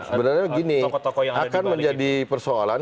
sebenarnya begini akan menjadi persoalan